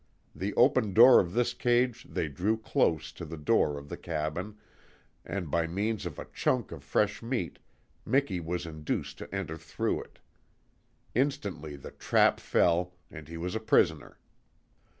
The open door of this cage they drew close to the door of the cabin, and by means of a chunk of fresh meat Miki was induced to enter through it. Instantly the trap fell, and he was a prisoner.